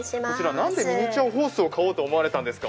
なんでミニチュアホースを飼おうと思われたんですか？